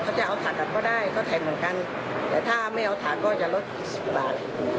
เขาจะเอาถากับก็ได้เขาแทนเหมือนกันแต่ถ้าไม่เอาถาก็จะลดสิบบาท